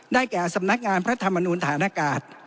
แก่สำนักงานพระธรรมนูลฐานอากาศ